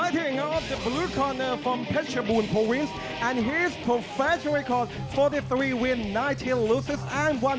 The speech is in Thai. ดูลูกคอนเนอร์จากแพ็ชบูรโปรวินส์และเขาต้องรับราคา๔๓ฟัยและ๑๙ฟัยและ๑ฟัยครับ